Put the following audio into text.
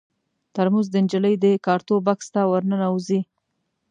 ترموز د نجلۍ د کارتو بکس ته ور ننوځي.